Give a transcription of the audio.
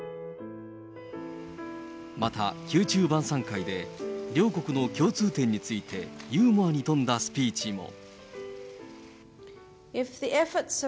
また宮中晩さん会で、両国の共通点について、ユーモアに富んだスピーチも。